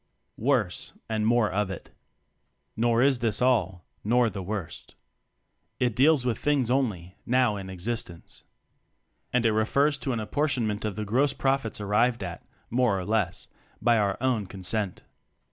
Worse and More of It. Nor is this all, nor the worst. It deals with things only, now in existence. And it refers to an appor tionment of the gross "profits" ar nved at (more or less) by our own consent.